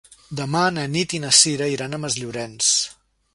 Demà na Nit i na Cira iran a Masllorenç.